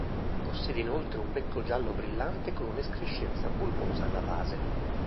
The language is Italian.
Possiede inoltre un becco giallo brillante con un'escrescenza bulbosa alla base.